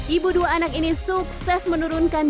ibu dua anak ini sukses menurunkan